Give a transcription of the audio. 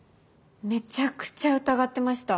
めちゃくちゃ疑ってました。